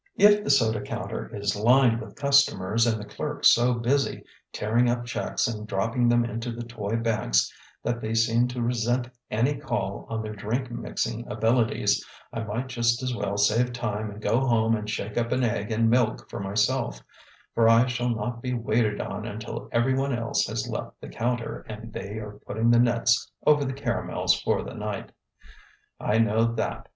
If the soda counter is lined with customers and the clerks so busy tearing up checks and dropping them into the toy banks that they seem to resent any call on their drink mixing abilities, I might just as well save time and go home and shake up an egg and milk for myself, for I shall not be waited on until every one else has left the counter and they are putting the nets over the caramels for the night. I know that.